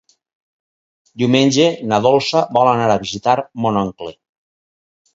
Diumenge na Dolça vol anar a visitar mon oncle.